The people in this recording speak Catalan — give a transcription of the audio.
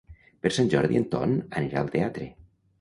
Per Sant Jordi en Ton anirà al teatre.